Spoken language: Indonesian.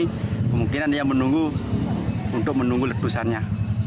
di sini kemungkinan dia menunggu untuk menunggu ledusannya